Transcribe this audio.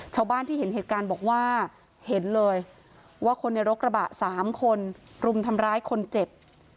ชาวบ้านที่เห็นเหตุการณ์บอกว่าเห็นเลยว่าคนในรถกระบะ๓คนรุมทำร้ายคนเจ็บ